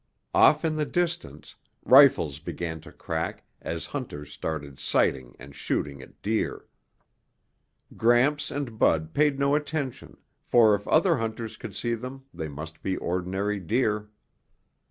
Off in the distance, rifles began to crack as hunters started sighting and shooting at deer. Gramps and Bud paid no attention, for if other hunters could see them, they must be ordinary deer.